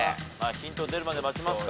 ヒント出るまで待ちますか？